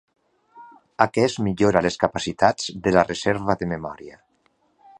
Aquest millora les capacitats de la reserva de memòria.